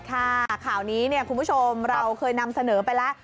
ข่าวนี้เนี่ยคุณผู้ชมเราเคยนำเสนอไปแล้ว